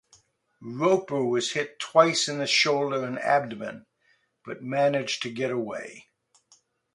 Roper was hit twice in the shoulder and abdomen, but managed to get away.